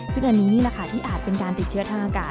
ซึ่งอันนี้นี่แหละค่ะที่อาจเป็นการติดเชื้อทางอากาศ